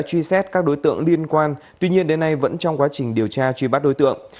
truy xét các đối tượng liên quan tuy nhiên đến nay vẫn trong quá trình điều tra truy bắt đối tượng